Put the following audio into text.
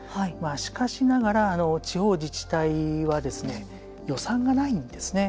しかしながら、地方自治体は予算がないんですね。